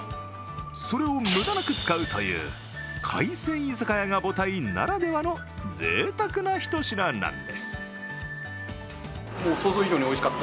それを無駄なく使うという、海鮮居酒屋が母体ならではのぜいたくなひと品なんです。